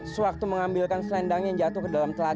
sewaktu mengambilkan selendangnya yang jatuh ke dalam telaga